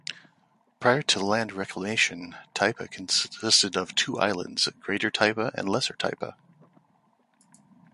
Prior to land reclamation, Taipa consisted of two islands: Greater Taipa and Lesser Taipa.